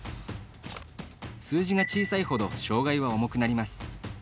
数字が小さいほど障がいは重くなります。